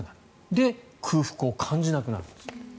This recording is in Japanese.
で、空腹を感じなくなる。